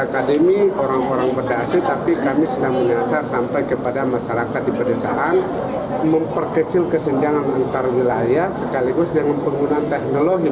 akademi orang orang berdasi tapi kami sedang menyasar sampai kepada masyarakat di pedesaan memperkecil kesenjangan antar wilayah sekaligus dengan penggunaan teknologi